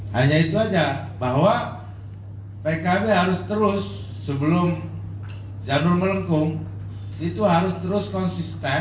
hanya itu saja bahwa pkb harus terus sebelum janur melengkung itu harus terus konsisten